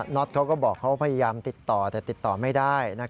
็อตเขาก็บอกเขาพยายามติดต่อแต่ติดต่อไม่ได้